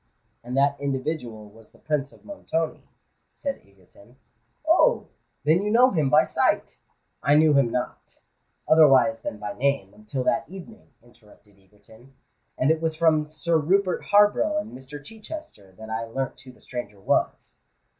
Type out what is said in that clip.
"And that individual was the Prince of Montoni," said Egerton. "Oh! then you know him by sight——" "I knew him not, otherwise than by name, until that evening," interrupted Egerton; "and it was from Sir Rupert Harborough and Mr. Chichester that I learnt who the stranger was."